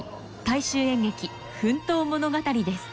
大衆演劇奮闘物語です。